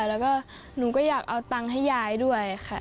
แล้วก็หนูก็อยากเอาตังค์ให้ยายด้วยค่ะ